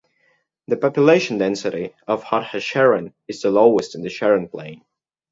The population density of Hod HaSharon is the lowest in the Sharon Plain.